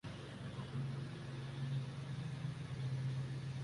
گیبون